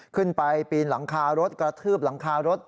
ปีนหลังคารถกระทืบหลังคารถ